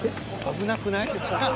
危なくない？